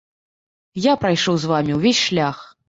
Я прайшоў з вамі ўвесь шлях.